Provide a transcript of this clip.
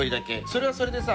それはそれでさ